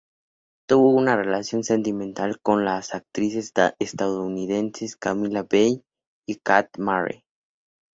Tuvo una relación sentimental con las actrices estadounidenses Camilla Belle y Kate Mara.